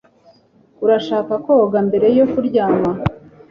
Urashaka koga mbere yo kuryama?